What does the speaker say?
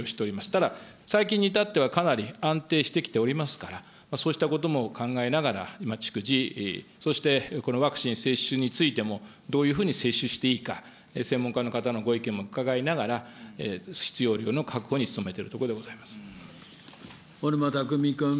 ただ、最近に至っては、かなり安定してきておりますから、そうしたことも考えながら、今、逐次、そしてこれ、ワクチン接種についても、どういうふうに接種していいか、専門家の方のご意見も伺いながら、必要量の確保に努めてい小沼巧君。